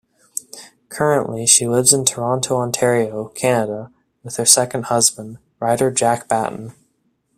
Currently, she lives in Toronto, Ontario, Canada with her second husband, writer Jack Batten.